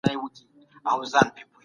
هغه د خپلو تېروتنو په اړه فکر کاوه.